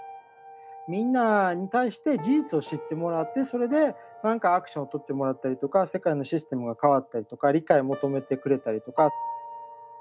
みんなに対して事実を知ってもらってそれでなんかアクションをとってもらったりとか世界のシステムが変わったりとか理解を求めてくれたりとか。